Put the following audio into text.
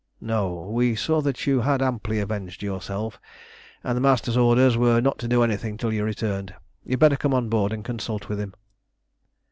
"No. We saw that you had amply avenged yourself, and the Master's orders were not to do anything till you returned. You'd better come on board and consult with him."